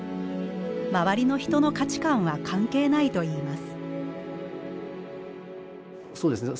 周りの人の価値観は関係ないといいます。